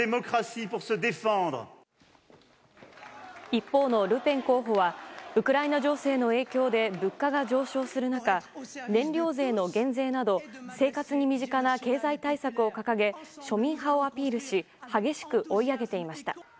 一方のルペン候補はウクライナ情勢の影響で物価が上昇する中燃料税の減税など生活に身近な経済対策を掲げ庶民派をアピールし激しく追い上げていました。